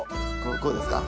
こうですか？